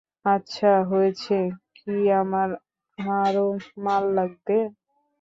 আচ্ছা, হয়েছে কী, আমার আরো মাল লাগবে।